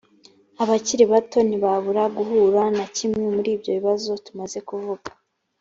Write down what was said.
abakiri bato ntibabura guhura na kimwe muri ibyo bibazo tumaze kuvuga